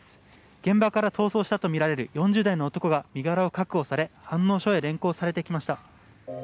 現場から逃走したとみられる４０代の男が身柄を確保され飯能署へ連行されてきました。